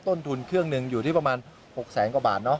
ต้นทุนเครื่องหนึ่งอยู่ที่ประมาณ๖๐๐๐๐๐กว่าบาท